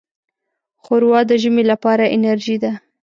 ښوروا د ژمي لپاره انرجۍ ده.